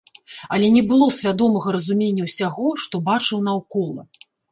Але не было свядомага разумення ўсяго, што бачыў наўкола.